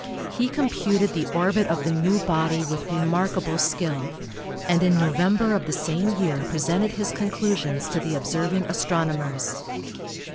He com puted the orbit of the new body with remarkable skill, and in November of the same year presented his conclusions to the observing astronomers.